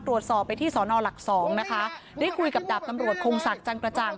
ตรวจสอบไปที่สอนอหลักสองนะคะได้คุยกับดาบตำรวจคงศักดิ์จันกระจ่าง